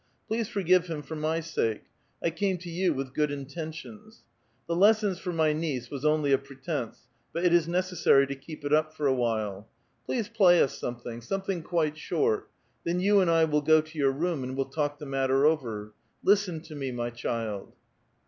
Please forgive him for my sake ; I came to you with good intentions. The lessons for my niece was only a pretence ; but it is necessary to keep it up for a while. Please play us something — some thing quite short ; then you and I will go to your room, and we'll talk the matter over. Listen to me, m^' child."